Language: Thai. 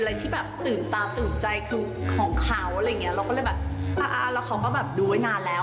แล้วเขาก็ดูไว้นานแล้ว